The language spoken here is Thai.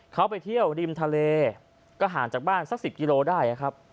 เขาไปเที่ยวริมทะเลก็ห่างจากบ้านสัก๑๐กิโลได้นะครับ